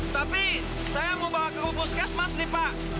tapi saya mau bawa ke hubungan kesmas nih pak